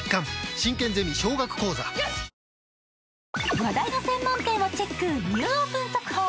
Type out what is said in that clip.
話題の専門店をチェック、ニューオープン速報。